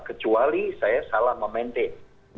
kecuali saya salah memaintain